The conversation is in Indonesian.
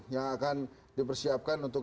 yang akan dipersiapkan untuk